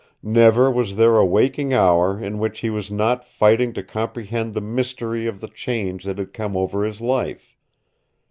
Never was there a waking hour in which he was not fighting to comprehend the mystery of the change that had come over his life.